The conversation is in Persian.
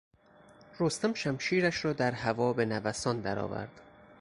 رستم شمشیرش را در هوا به نوسان در آورد.